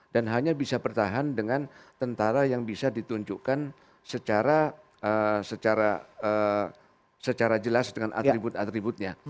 dan hanya bisa bertahan dengan tentara yang bisa ditunjukkan secara jelas dengan atribut atributnya